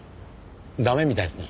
駄目みたいですね。